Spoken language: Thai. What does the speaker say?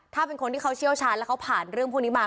ถ้าเป็นคนที่เขาเชี่ยวชาญแล้วเขาผ่านเรื่องพวกนี้มา